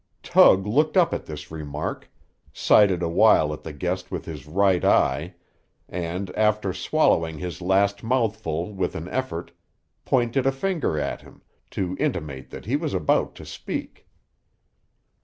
Tug looked up at this remark, sighted awhile at the guest with his right eye, and, after swallowing his last mouthful, with an effort, pointed a finger at him, to intimate that he was about to speak.